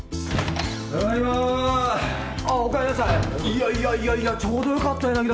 いやいやいやいやちょうどよかった柳田さん。